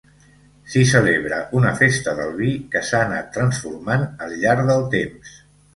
S'hi celebra una festa del vi, que s'ha anat transformant al llarg del temps.